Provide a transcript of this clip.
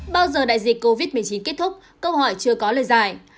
bao giờ đại dịch covid một mươi chín kết thúc câu hỏi chưa có lời giải